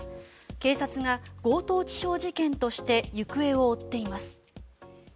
警察が強盗致傷事件として行方を追っています。